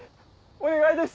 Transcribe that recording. お願いです